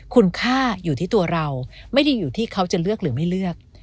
คุณค่าอยู่ที่ตัวเราไม่ได้อยู่ที่เขาจะเลือกหรือไม่เลือก